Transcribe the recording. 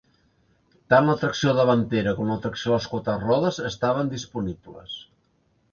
Tant la tracció davantera com la tracció a les quatre rodes estaven disponibles.